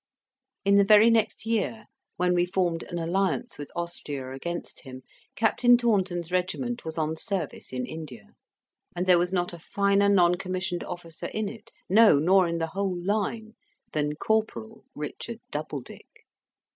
In the very next year, when we formed an alliance with Austria against him, Captain Taunton's regiment was on service in India. And there was not a finer non commissioned officer in it, no, nor in the whole line than Corporal Richard Doubledick.